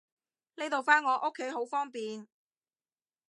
呢度返我屋企好方便